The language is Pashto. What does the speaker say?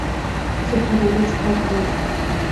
زه هره ورځ کار کوم.